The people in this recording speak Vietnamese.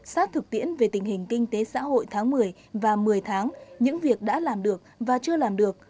sát thực tiễn về tình hình kinh tế xã hội tháng một mươi và một mươi tháng những việc đã làm được và chưa làm được